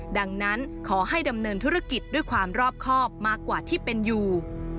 ดังนั้นขอให้ดำเนินธุรกิจด้วยความรอบครอบมากกว่าที่เป็นอยู่